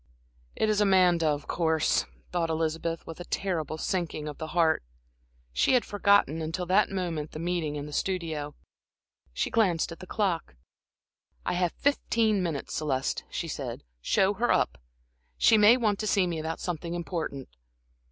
"It is Amanda, of course," thought Elizabeth, with a terrible sinking of the heart. She had forgotten, until that moment, the meeting in the studio. She glanced at the clock. "I have fifteen minutes, Celeste," she said. "Show her up. She may want to see me about something important."